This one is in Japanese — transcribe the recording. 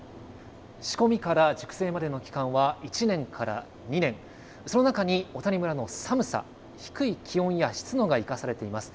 仕込みから熟成までの期間は１年から２年、その中に小谷村の寒さ、低い気温や湿度が生かされています。